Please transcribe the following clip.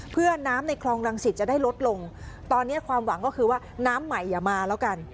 เพื่อน้ำในคลองรังสิตจะได้ลดลงตอนนี้ความหวังก็คือว่าน้ำใหม่อย่ามาแล้วกัน